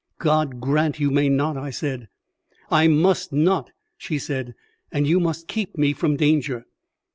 "God grant you may not," I said. "I must not," she said, "and you must keep me from danger."